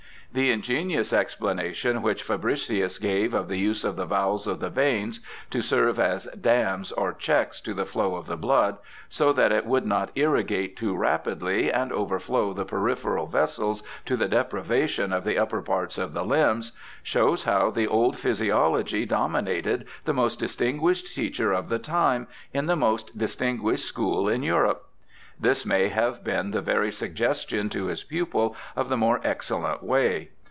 The ingenious explanation which Fabricius gave of the use of the valves of the veins— to serve as dams or checks to the flow of the blood, so that it would not irrigate too rapidly and overflow the peripheral vessels to the deprivation of the upper parts of the limbs — shows how the old physiology dominated the most distinguished teacher of the time in the most distin guished school in Europe. This may have been the very suggestion to his pupil of the more excellent way.